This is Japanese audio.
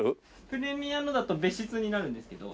プレミアのだと別室になるんですけど。